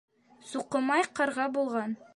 Суҡымай ҡарға булған.